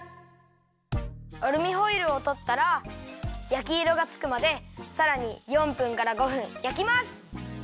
アルミホイルをとったら焼きいろがつくまでさらに４分から５分焼きます。